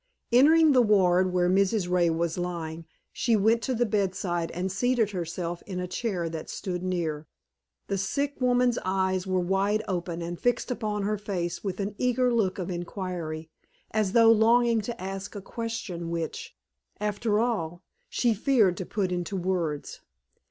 Entering the ward where Mrs. Ray was lying, she went to the bedside and seated herself in a chair that stood near. The sick woman's eyes were wide open and fixed upon her face with an eager look of inquiry, as though longing to ask a question which, after all, she feared to put into words.